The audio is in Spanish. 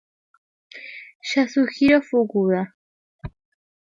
Yasuhiro Fukuda